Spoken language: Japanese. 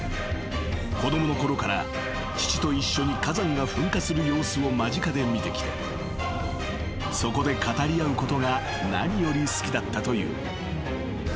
［子供のころから父と一緒に火山が噴火する様子を間近で見てきてそこで語り合うことが何より好きだったという］